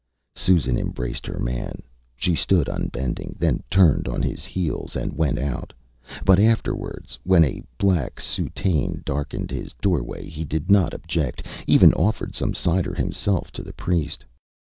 Â Susan embraced her man. He stood unbending, then turned on his heels and went out. But afterwards, when a black soutane darkened his doorway, he did not object; even offered some cider himself to the priest.